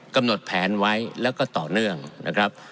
กำหนดแผนไว้แล้วก็ต่อเนื่องนะครับ